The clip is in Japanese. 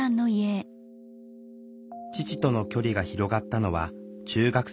父との距離が広がったのは中学生の頃。